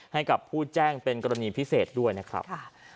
ให้กับผู้แจ้งเป็นกรณีพิเศษด้วยนะครับ